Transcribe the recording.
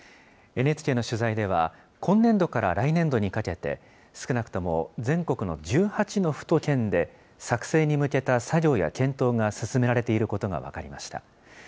ＮＨＫの取材では、今年度から来年度にかけて、少なくとも全国の１８の府と県で、作成に向けた作業や検討が進められていることが分かりました。